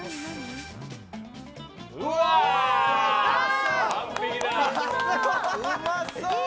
うまそう！